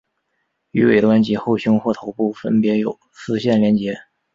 于尾端及后胸或头部分别有丝线连结。